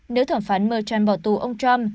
nếu thẩm phán merchant bỏ tù ông trump